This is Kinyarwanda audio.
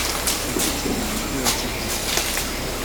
kicukiro mu mujyi wa kigali